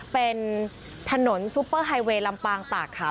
เป็นถนนซุปเปอร์ไฮเวย์ลำปางตากขาว